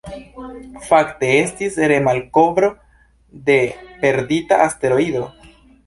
Fakte, estis re-malkovro de perdita asteroido.